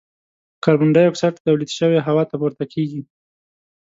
کاربن ډای اکسایډ تولید شوی هوا ته پورته کیږي.